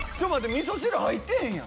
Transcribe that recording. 味噌汁入ってへんやん。